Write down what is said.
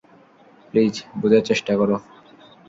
Please, বুঝার চেষ্টা করো।